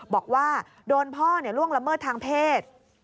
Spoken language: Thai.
บอกว่าโดนพ่อล่วงละเมิดทางเพศ